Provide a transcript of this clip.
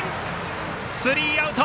スリーアウト。